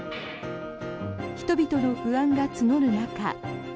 人々の不安が募る中